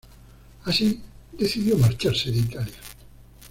Así, decidió marcharse de Italia.